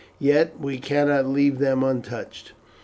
Yet we cannot leave them untouched.